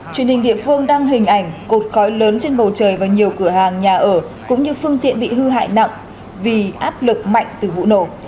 truyền hình địa phương đăng hình ảnh cột cói lớn trên bầu trời và nhiều cửa hàng nhà ở cũng như phương tiện bị hư hại nặng vì áp lực mạnh từ vụ nổ